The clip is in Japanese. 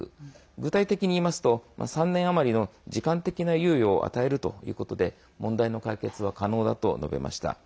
具体的に言いますと３年余りの時間的な猶予を与えるということで問題の解決は可能だと述べました。